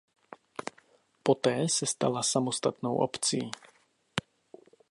Poté se stala samostatnou obcí.